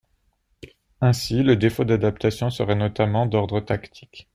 Ainsi, le défaut d'adaptation serait notamment d'ordre tactique.